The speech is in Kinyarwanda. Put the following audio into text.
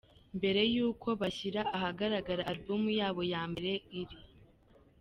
Mbere yuko bashyira ahagaragara album yabo ya mbere, iri.